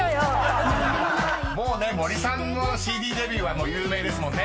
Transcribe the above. ［もうね森さんのＣＤデビューは有名ですもんね］